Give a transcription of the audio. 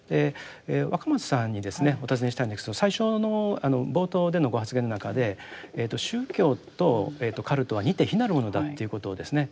若松さんにお尋ねしたいんですけど最初の冒頭でのご発言の中で宗教とカルトは似て非なるものだということをですね